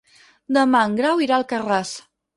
Demà en Grau irà a Alcarràs.